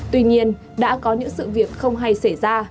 tuy nhiên đã có những sự việc không hay xảy ra